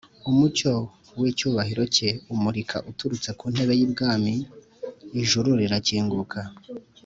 Umucyo w’icyubahiro cye umurika uturutse ku ntebe y’Ubwami. Ijuru rirakinguka,